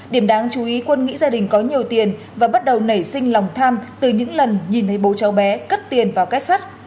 điểm đáng chú ý quân nghĩ gia đình có nhiều tiền và bắt đầu nảy sinh lòng tham từ những lần nhìn thấy bố cháu bé cất tiền vào kết sắt